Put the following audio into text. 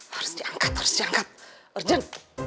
harus diangkat harus diangkat urgent